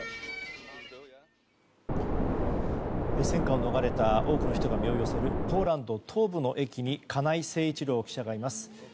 戦火を逃れた多くの人が身を寄せるポーランド東部の駅に金井誠一郎記者がいます。